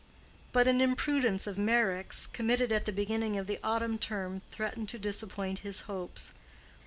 But an imprudence of Meyrick's, committed at the beginning of the autumn term, threatened to disappoint his hopes.